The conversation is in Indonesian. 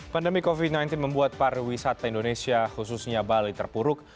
pandemi covid sembilan belas membuat pariwisata indonesia khususnya bali terpuruk